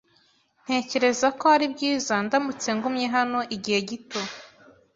Ntekereza ko ari byiza ndamutse ngumye hano igihe gito.